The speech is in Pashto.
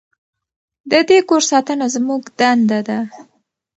د دې کور ساتنه زموږ دنده ده.